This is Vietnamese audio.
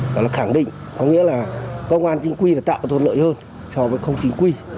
đó là khẳng định có nghĩa là công an chính quy là tạo được thuận lợi hơn so với không chính quy